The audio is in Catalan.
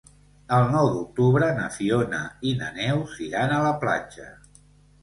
El nou d'octubre na Fiona i na Neus iran a la platja.